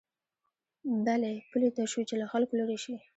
بلې پولې ته شو چې له خلکو لېرې شي.